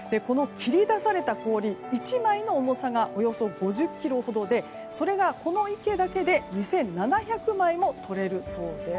切り出された氷１枚の重さがおよそ５０ｋｇほどでそれがこの池だけで２７００枚もとれるそうです。